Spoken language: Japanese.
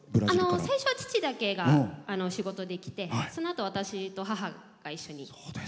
最初は父だけが仕事で来てそのあと私と母が一緒に。